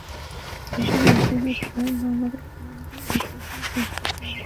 বিশেষ অতিথি ছিলেন বাংলাদেশ অলিম্পিক অ্যাসোসিয়েশনের জ্যেষ্ঠ সহসভাপতি মিজানুর রহমান মানু।